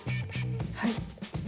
はい。